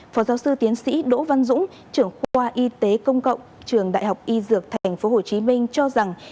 phó giáo sư tiến sĩ đỗ văn dũng trưởng khoa y tế công cộng trường đại học y dược tp hcm cho rằng